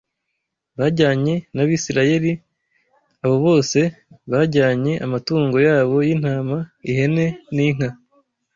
bajyanye n’Abisirayeli. Abo bose bajyanye amatungo yabo y’intama, ihene n’inka